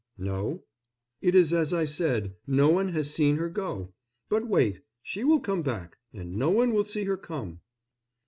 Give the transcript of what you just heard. "No." "It is as I said—no one has seen her go. But wait, she will come back; and no one will see her come."